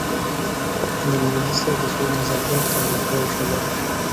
د مهدي سره د سولي مذاکراتو ته علاقه وښودله.